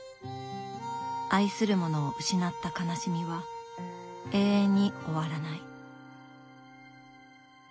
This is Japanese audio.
愛する者を失った悲しみは永遠に終わらない。